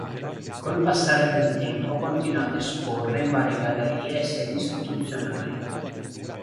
Col passare del tempo continua ad esporre in varie gallerie e sedi Istituzionali.